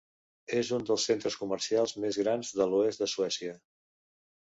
És un dels centres comercials més grans de l'oest de Suècia.